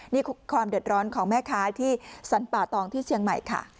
นี่คือความเดือดร้อนของแม่ค้าที่สรรป่าตองที่เชียงใหม่ค่ะ